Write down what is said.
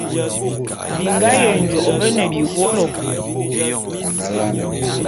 Bingá Yenjôk bé ne biwólo.